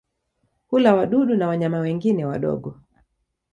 Hula wadudu na wanyama wengine wadogo.